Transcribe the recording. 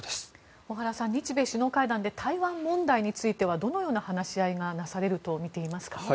小原さん、日米首脳会談で台湾問題についてはどのような話し合いがなされると見ていますか。